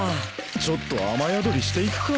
ちょっと雨宿りしていくか。